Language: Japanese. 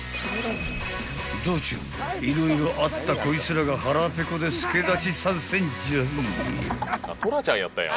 ［道中色々あったこいつらが腹ペコで助太刀参戦じゃい］